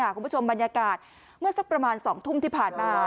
คุณผู้ชมบรรยากาศเมื่อสักประมาณ๒ทุ่มที่ผ่านมา